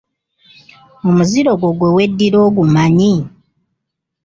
Omuziro gwo gwe weddira ogumanyi?